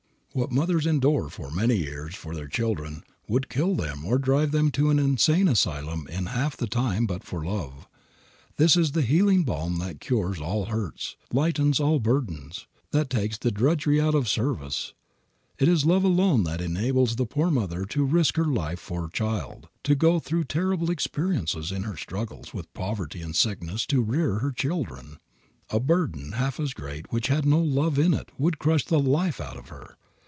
What mothers endure for many years for their children would kill them or drive them to an insane asylum in half the time but for love. This is the healing balm that cures all hurts, lightens all burdens, that takes the drudgery out of service. It is love alone that enables the poor mother to risk her life for her child, to go through terrible experiences in her struggles with poverty and sickness to rear her children. A burden half as great which had no love in it would crush the life out of her.